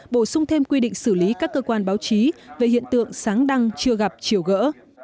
bổ sung thêm quy định xử lý các cơ quan báo chí về hiện tượng sáng đăng chưa gặp chiều gỡ